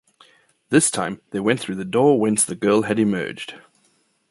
This time they went through the door whence the girl had emerged.